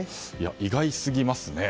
意外すぎますね。